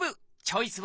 チョイス！